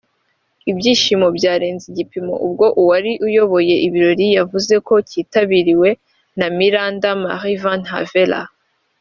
Ibyishimo byarenze igipimo ubwo uwari uyoboye ibirori yavuze ko cyitabiriwe na Miranda Marie Van Haver